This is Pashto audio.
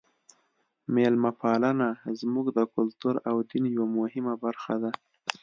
میلمه پالنه زموږ د کلتور او دین یوه مهمه برخه ده.